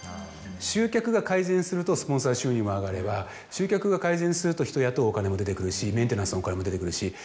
集客が改善するとスポンサー収入も上がれば集客が改善すると人を雇うお金も出てくるしメンテナンスのお金も出てくるし。